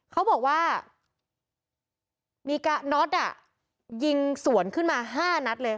เขาบอกว่านี่เก๊อร์น๊อตอ่ะยิงสวนขึ้นมา๕นัทเลย